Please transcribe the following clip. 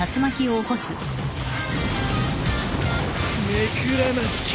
目くらましか。